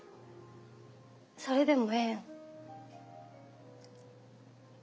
それでもええん？